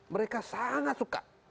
mereka sangat suka